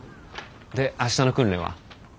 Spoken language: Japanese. で明日の訓練は？